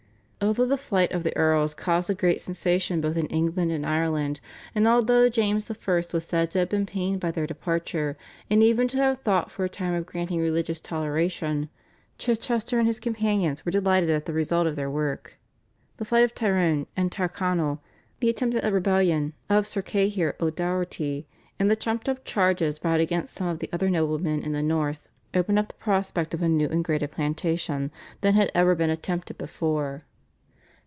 Although the flight of the Earls caused a great sensation both in England and Ireland, and although James I. was said to have been pained by their departure and even to have thought for a time of granting religious toleration, Chichester and his companions were delighted at the result of their work. The flight of Tyrone and Tyrconnell, the attempted rebellion of Sir Cahir O'Doherty, and the trumped up charges brought against some of the other noblemen in the North opened up the prospect of a new and greater plantation than had ever been attempted before.